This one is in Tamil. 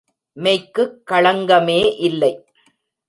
மெய்க்குக் களங்கமே இல்லை.